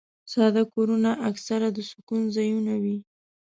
ساده کورونه اکثره د سکون ځایونه وي.